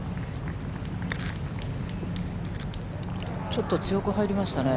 ちょっと強く入りましたね。